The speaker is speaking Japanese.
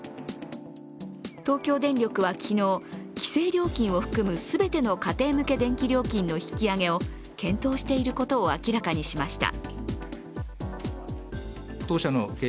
東京電力は昨日、規制料金を含む全ての家庭向け電気料金の引き上げを検討していることを明らかにしました。